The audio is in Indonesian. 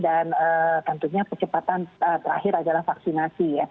dan tentunya kecepatan terakhir adalah vaksinasi